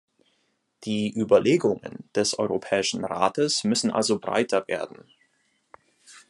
Die Überlegungen des Europäischen Rates müssen also breiter werden.